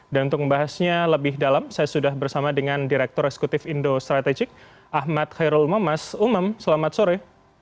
dan untuk membahasnya lebih dalam saya sudah bersama dengan direktur eksekutif indo strategik ahmad khairul mamas umam selamat sore